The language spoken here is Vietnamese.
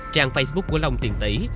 trang facebook của long tiện tỷ